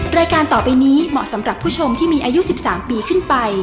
รายการต่อไปนี้เหมาะสำหรับผู้ชมที่มีอายุ๑๓ปีขึ้นไป